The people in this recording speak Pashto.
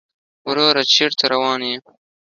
وروره چېرته روان يې؟